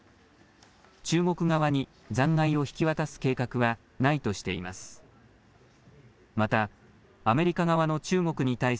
中国側に残骸を引き渡す計画はないとしています。